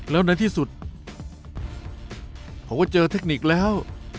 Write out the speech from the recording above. แล้วในที่สุดผมก็เจอเทคนิคแล้ว